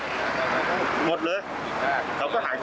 หมดเลยเขาก็หายใจไม่ออก